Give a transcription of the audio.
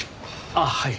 あっはい。